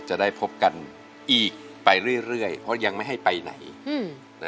จะได้พบกันอีกไปเรื่อยเพราะยังไม่ให้ไปไหน